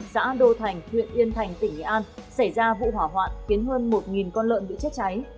xã đô thành huyện yên thành tỉnh nghệ an xảy ra vụ hỏa hoạn khiến hơn một con lợn bị chết cháy